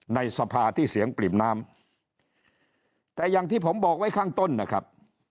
ในสภาที่เสียงปริ่มน้ำแต่อย่างที่ผมบอกไว้ข้างต้นนะครับ